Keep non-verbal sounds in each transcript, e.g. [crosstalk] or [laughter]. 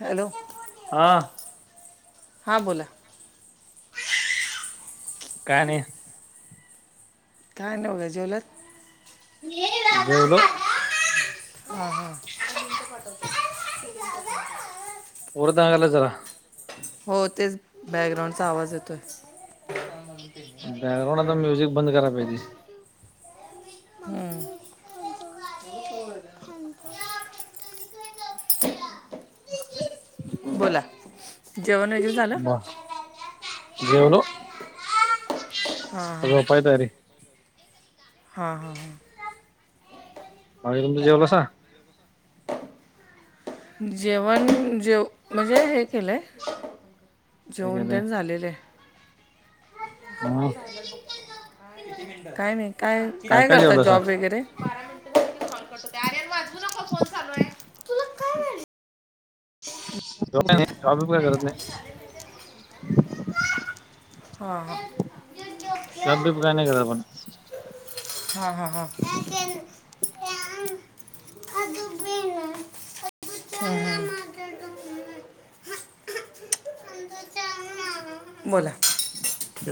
Hello हा हा बोला काणी काय नाहीवघ झवलत बलो अ ह वरदगला जरा हो तेच बॅकग्राऊंडचा आवाज येतोय बॅकग्राउंड आता म्युझिक बंद कराय पाहिजे हम्म [unintelligible] [unintelligible] हो बोला जेवण वगैरे झालं जेवन हां हां रपय तरी हां हां हां माग तुम जवलासा जेवण जेव म्हणजे हे केलं आहे काय जेवण केलंय तेण झालेलं आहे ह काय नाही काय काय करतात जॉब वगैरे बारा मिनिट कॉल करत होते आर्यन अजून नका फोन चालू आहे तुला काय झा का नाही शॉबय करत नाही हां ह कित बीप काय नाही करत आपण हा हा हा हां बोला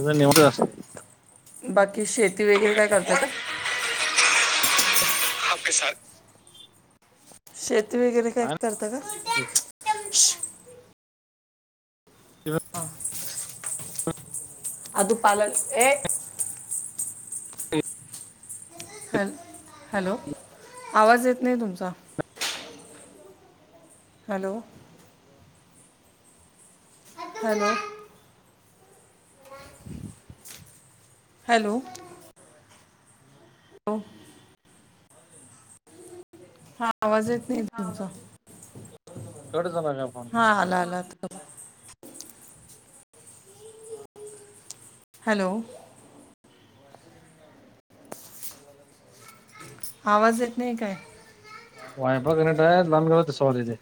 एक नवच जात बाकी शेती वगैरे काय करतात का ह शेती वगैरे काय करत का हां अध पाल हॅल हॅलो आवाज येत नाही तुमचा हॅलो हला हॅलो हो हा आवाज येत नाही तुमचा काट सणारग हा आला आला हॅलो आवाज येत नाही काय वायप कनटय नम गव त स आहे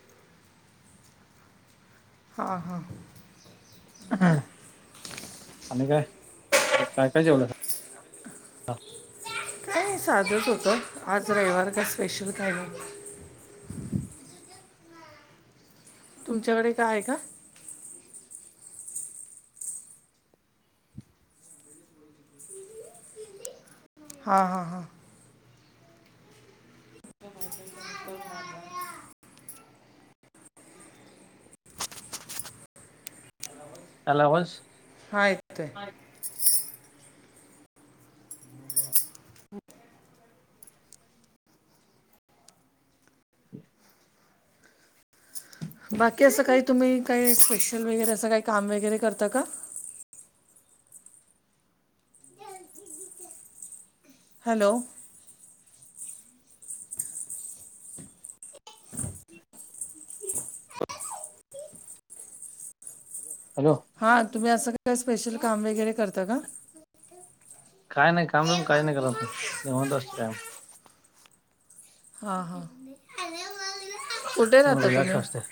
हां हां आणि काय काय काय जेवल काय नाही साजत होत आज रविवार का स्पेशल काहीम तुमच्याकडे कायय का हा हां हां हॅलोस हात बाकी असं काही तुम्ही काही स्पेशल वगैरे असं काही काम वगैरे करता का हॅलो हॅलो हा तुम्ही असं काय स्पेशल काम वगैरे करता का काही नाही कामम काही नाही कररा अस काय हा हा कुठे कायम राहता रिलॅक्स तुम्ही असतंय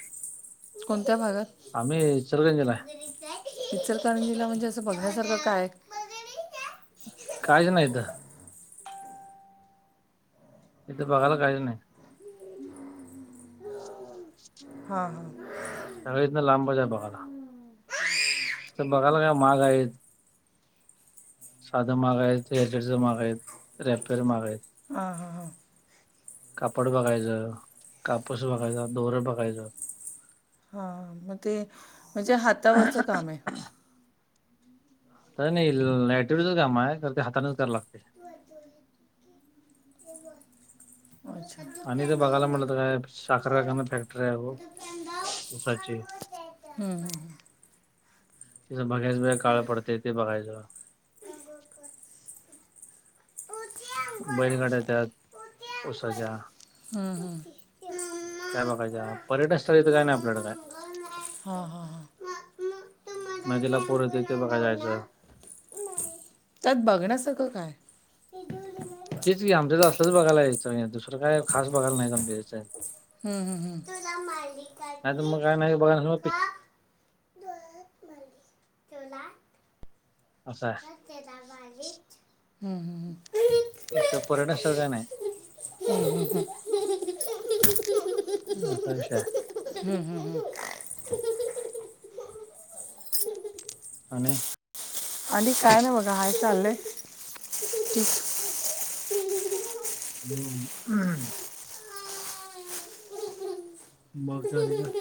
कोणत्या भागात आम्ही चिरगंजला आहे चचरकरंजीला म्हणजे असं बघण्यासारखं काय कायच नाहीत इथं बघायला काहीच नाही ह हां हां सगळ इथन लांबच आहे बघायला तर बघायला काय माग आहेत साधं माग आहेत हेटरच माग आहेत रॅपेर माग आहेत ह हा हा कापड बघायचं कापूस बघायचं दोर बघायचं हां मग ते म्हणजे हातावरचं काम आहे तर नाहीटिवच काम आहे ते हाताच करां लागते अच्छा आणि ते बघायला म्हटत काय साखर कारखा फॅक्टरी आहे ग उसाची हम्म तस बगेश काळ पडते य ते बघाश बैलगाड्या त्यात साच्या हम्म हम्म त्या हम्म बघाय पर्यटन स्थळीचं काय नाही आपल्याकडे काय हा हा हा नदीला पोरथे बघा जायचं त्यात बघण्यासारखं काय हेग हेच की आमच्या तर असलंच बघायला याचं दुसरं काय खास बघाला नाहीच आम याचंय ह तुला नाही तर मालिकाची मग काय नाही बघायला मग पिक- अच्छा हम् हम हम तर पर्यटन सह का नाही अस विशा हम्म हम्म हम् आणि आणिध काय नाही बघा हाय चाललं आहे ठीक हम्म हम् ब कले का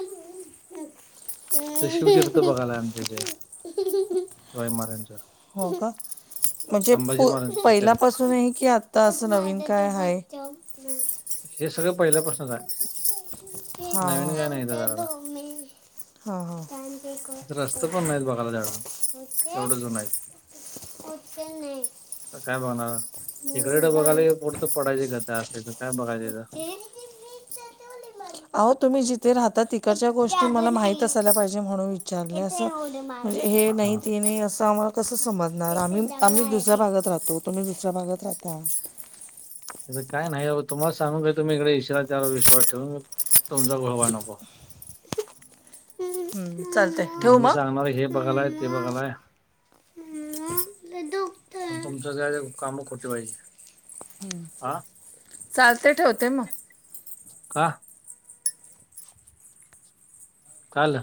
ते शिवतीर्थ बघायलाय आमचे जे शिवाई महाराजच हो का म्हणजे प महाराजांचं तीर्थ पहिल्यापासून आहे की आत तर असं नवीन काय आहे हे सगळं पहिल्यापासूनच आहे हा, नवीन हा. काय नाही तर घराला हा हा रस्त पण नाहीत बघायला झाडा एवढं जन सणे काय बघणार इकडेकडें बघाय पुढतं पडायची घता अस तर काय बघायंथं अहो तुम्ही जिथे राहता तिकडच्या गोष्टी मला माहित असायला पाहिजे म्हणून विचारले अस हे नय हा त ने असं वाट कसं समजणार आम्ही आम्ही दुसऱ्या भागात राहतो तुम्ही दुसऱ्या भागात राहता काय नाही तुम्हाला सांगू काय तुम्ही इकडे इशारा त्यावर विश्स ठेव म तुमचा घोवा नको ् चालतय मी सांगणार हे बघायलाय ते बघालाय तुमचं कामं खोटे पाहिजे हा चालते ठेवते मग काहा काल